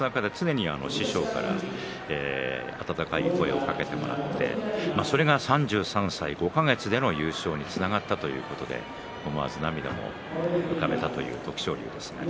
師匠から常に温かい声をかけてもらってそれが３３歳５か月での優勝につながったということで思わず涙も浮かべたという徳勝龍です。